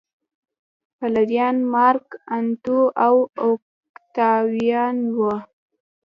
پلویان مارک انتو او اوکتاویان و